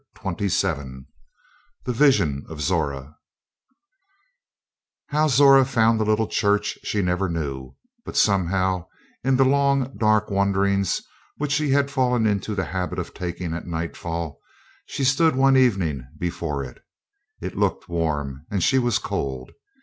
Twenty seven THE VISION OF ZORA How Zora found the little church she never knew; but somehow, in the long dark wanderings which she had fallen into the habit of taking at nightfall, she stood one evening before it. It looked warm, and she was cold.